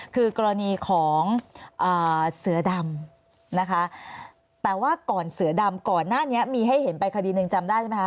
คือกรณีของเสือดำนะคะแต่ว่าก่อนเสือดำก่อนหน้านี้มีให้เห็นไปคดีหนึ่งจำได้ใช่ไหมคะ